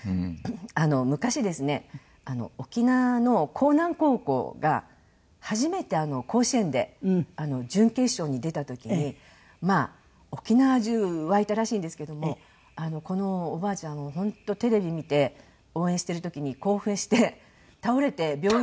昔ですね沖縄の興南高校が初めて甲子園で準決勝に出た時にまあ沖縄中沸いたらしいんですけどもこのおばあちゃんは本当テレビ見て応援してる時に興奮して倒れて病院に運ばれたっていう。